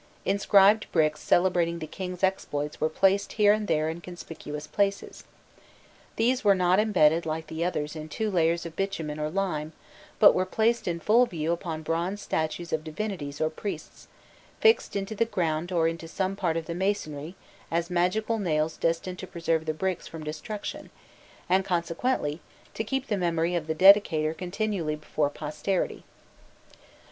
Inscribed bricks celebrating the king's exploits were placed here and there in conspicuous places. These were not embedded like the others in two layers of bitumen or lime, but were placed in full view upon bronze statues of divinities or priests, fixed into the ground or into some part of the masonry as magical nails destined to preserve the bricks from destruction, and consequently to keep the memory of the dedicator continually before posterity.